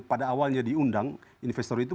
pada awalnya diundang investor itu